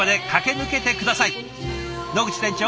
野口店長